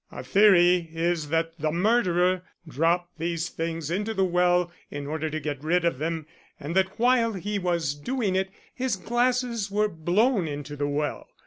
Our theory is that the murderer dropped these things into the well in order to get rid of them, and that while he was doing it his glasses were blown into the well.